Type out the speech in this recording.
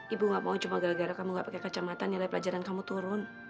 ibu gak mau cuma gara gara kamu gak pakai kacamata nilai pelajaran kamu turun